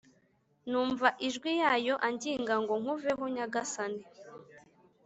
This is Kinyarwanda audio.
Numva ajwi yayo anginga ngo nkuveho nyagasani